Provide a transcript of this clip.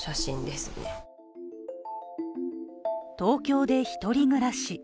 東京で１人暮らし。